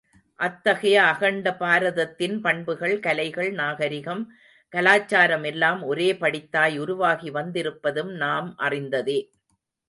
அத்தகைய அகண்ட பாரதத்தின் பண்புகள், கலைகள், நாகரிகம், கலாச்சாரம் எல்லாம் ஒரே படித்தாய் உருவாகி வந்திருப்பதும் நாம் அறிந்ததே.